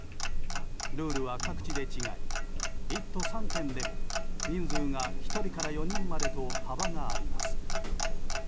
ルールは各地で違い１都３県でも人数が１人から４人までと幅があります。